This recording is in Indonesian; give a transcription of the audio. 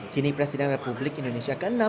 kini presiden republik indonesia ke enam